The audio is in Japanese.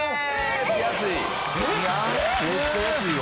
めっちゃ安いわ。